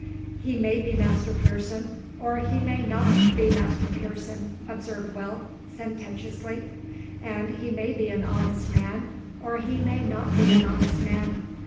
"He may be Master Pearson, or he may not be Master Pearson," observed Will, sententiously: "and he may be an honest man, or he may not be an honest man.